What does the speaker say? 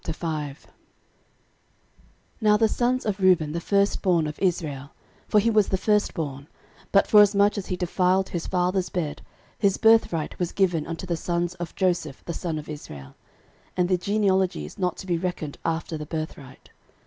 13:005:001 Now the sons of Reuben the firstborn of Israel, (for he was the firstborn; but forasmuch as he defiled his father's bed, his birthright was given unto the sons of Joseph the son of Israel: and the genealogy is not to be reckoned after the birthright.